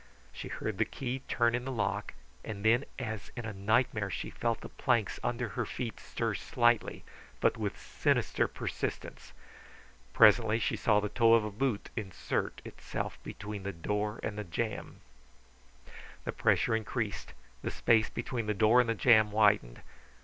She heard the key turn in the lock; and then as in a nightmare she felt the planks under her feet stir slightly but with sinister persistence. She presently saw the toe of a boot insert, itself between the door and the jamb. The pressure increased; the space between the door and the jamb widened.